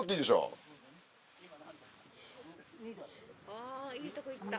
・あいいとこいった